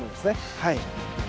はい。